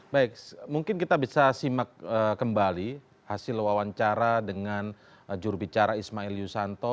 baik mungkin kita bisa simak kembali hasil wawancara dengan jurubicara ismail yusanto